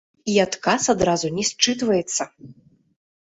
І адказ адразу не счытваецца!